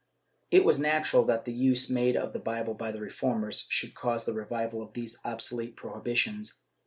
^ It was natural that the use made of the Bible by the Reformers should cause the revival of these obsolete prohibitions.